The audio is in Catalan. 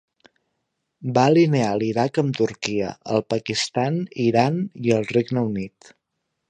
Va alinear l'Iraq amb Turquia, el Pakistan, Iran i el Regne Unit.